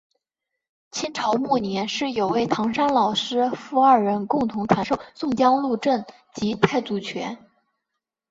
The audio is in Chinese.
清朝末年是有位唐山老师父二人共同传授宋江鹿阵及太祖拳。